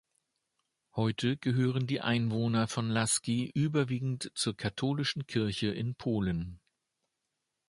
Heute gehören die Einwohner von Laski überwiegend zur katholischen Kirche in Polen.